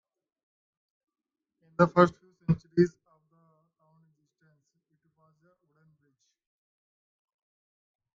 In the first few centuries of the town's existence, it was a wooden bridge.